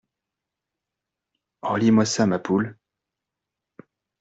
Relis-moi ça, ma poule.